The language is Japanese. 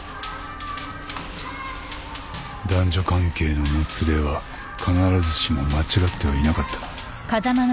男女関係のもつれは必ずしも間違ってはいなかったな。